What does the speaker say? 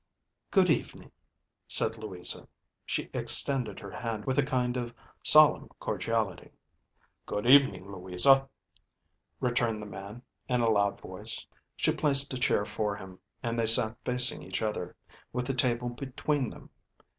ďGood evening," said Louisa. She extended her hand with a kind of solemn cordiality. "Good evening, Louisa," returned the man, in a loud voice. She placed a chair for him, and they sat facing each other, with the table between them.